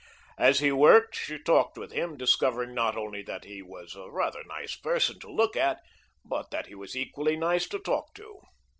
As he worked she talked with him, discovering not only that he was a rather nice person to look at, but that he was equally nice to talk to.